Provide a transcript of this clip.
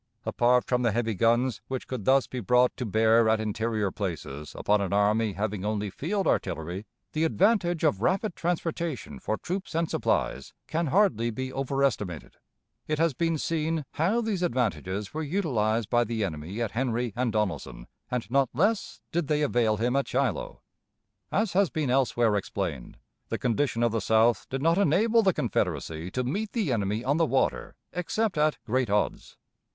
Apart from the heavy guns which could thus be brought to bear at interior places upon an army having only field artillery, the advantage of rapid transportation for troops and supplies can hardly be over estimated. It has been seen how these advantages were utilized by the enemy at Henry and Donelson, and not less did they avail him at Shiloh. As has been elsewhere explained, the condition of the South did not enable the Confederacy to meet the enemy on the water except at great odds.